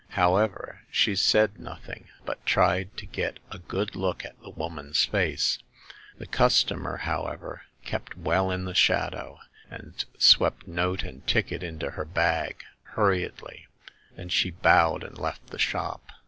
However, she said nothing, but tried to get a good look at the woman's face. The customer; however, kept well in the shadow, and The Second Customer. 65 swept note and ticket into her bag hurriedly. Then she bowed and left the shop.